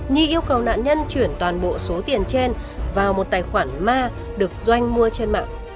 nhi yêu cầu nạn nhân chuyển toàn bộ số tiền trên vào một tài khoản ma được doanh mua trên mạng